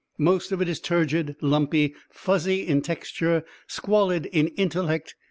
Most of it is turgid, lumpy, fuzzy in texture, squalid in intellect.